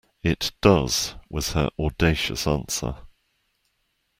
It does, was her audacious answer.